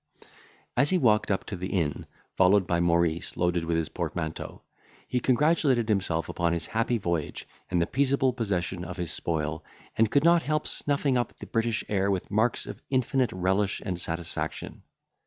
As he walked up to the inn, followed by Maurice loaded with his portmanteau, he congratulated himself upon his happy voyage, and the peaceable possession of his spoil, and could not help snuffing up the British air with marks of infinite relish and satisfaction.